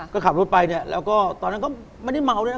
ก็ขับรถไปแล้วก็ตอนนั้นก็ไม่ได้เมาท์เลยนะ